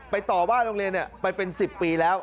ต่อว่าโรงเรียนไปเป็น๑๐ปีแล้ว